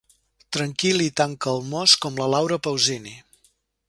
Tranquil i tan calmós com la Laura Pausini.